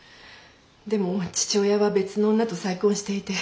でも父親は別の女と再婚していて。